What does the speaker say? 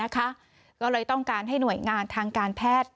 ก็เลยต้องการให้หน่วยงานทางการแพทย์